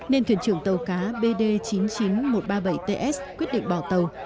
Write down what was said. nên thuyền trưởng tàu cá bd chín mươi chín nghìn một trăm ba mươi bảy ts quyết định bỏ tàu